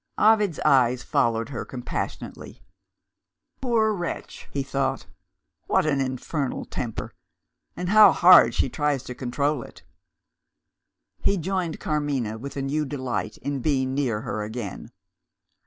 Ovid's eyes followed her compassionately. "Poor wretch!" he thought. "What an infernal temper, and how hard she tries to control it!" He joined Carmina, with a new delight in being near her again.